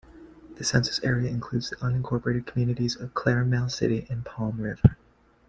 The census area includes the unincorporated communities of Clair-Mel City and Palm River.